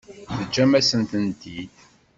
Teǧǧamt-asen-tent-id.